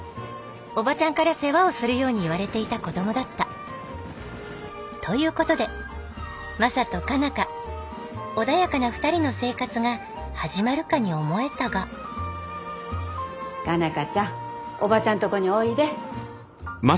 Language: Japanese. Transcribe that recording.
オバチャンから世話をするように言われていた子どもだった。ということでマサと佳奈花穏やかな２人の生活が始まるかに思えたが佳奈花ちゃんオバチャンとこにおいで。